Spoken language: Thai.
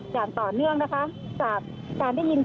เพราะตอนนี้ก็ไม่มีเวลาให้เข้าไปที่นี่